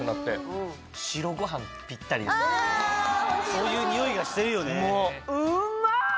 そういう匂いがしてるよね。